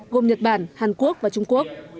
gồm nhật bản hàn quốc và trung quốc